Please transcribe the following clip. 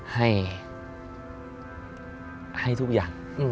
ให้ทุกอย่าง